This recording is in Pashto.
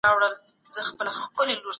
یا له پوهانو سره ناسته کول.